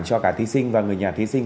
cho cả thí sinh và người nhà thí sinh